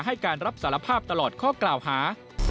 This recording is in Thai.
ให้การรับสารภาพตลอดข้อกล่าวหา